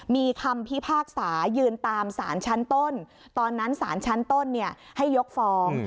มีคำพิพากษายืนตามสารชั้นต้นตอนนั้นสารชั้นต้นให้ยกฟ้อง